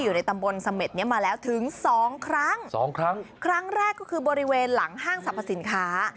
อยู่ในตำบลเสม็ดเนี้ยมาแล้วถึงสองครั้งสองครั้งครั้งแรกก็คือบริเวณหลังห้างสรรพสินค้า